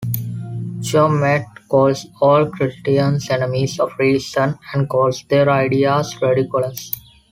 Chaumette calls all Christians "enemies of reason", and calls their ideas "ridiculous.